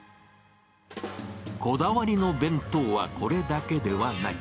こだわりの弁当はこれだけではない。